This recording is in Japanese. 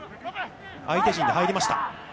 相手陣に入りました。